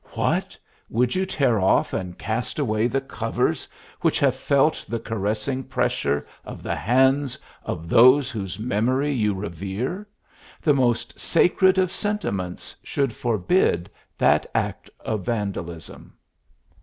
What! Would you tear off and cast away the covers which have felt the caressing pressure of the hands of those whose memory you revere? The most sacred of sentiments should forbid that act of vandalism!"